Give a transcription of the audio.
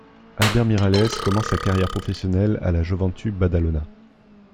Albert Miralles commence sa carrière professionnelle à la Joventut Badalona.